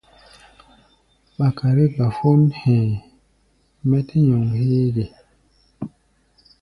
Ɓakare gbafón hɛ̧ɛ̧, mɛ́ tɛ́ nyɔŋ héé ge?